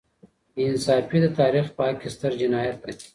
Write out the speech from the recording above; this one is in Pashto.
بې انصافي د تاریخ په حق کي ستر جنایت دی.